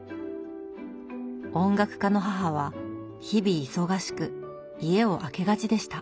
音楽家の母は日々忙しく家を空けがちでした。